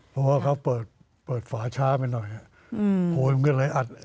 เพราะว่าเขาเปิดฝาช้าไปหน่อยเหรอ